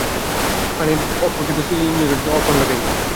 প্রাণীরা অপ্রকৃত সিলোমযুক্ত ও অখন্ডকায়িত।